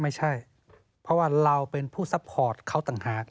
ไม่ใช่เพราะว่าเราเป็นผู้ซัพพอร์ตเขาต่างหาก